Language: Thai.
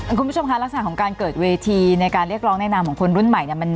คุณผู้ชมคะลักษณะของการเกิดเวทีในการเรียกร้องในนามของคนรุ่นใหม่เนี่ย